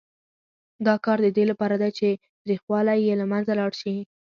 دا کار د دې لپاره دی چې تریخوالی یې له منځه لاړ شي.